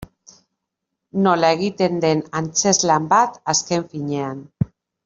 Nola egiten den antzezlan bat, azken finean.